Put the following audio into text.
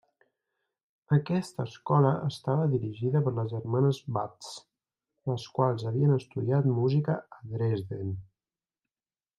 Aquesta escola estava dirigida per les germanes Watts, les quals havien estudiat música a Dresden.